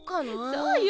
そうよ。